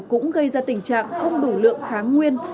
cũng gây ra tình trạng không đủ lượng kháng nguyên